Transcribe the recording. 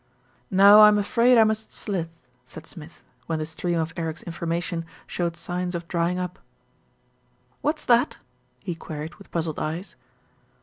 "Now I'm afraid I must slith," said Smith, when the stream of Eric's information showed signs of dry ing up. "What's that?" he queried with puzzled eyes.